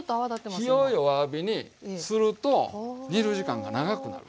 だから火を弱火にすると煮る時間が長くなる。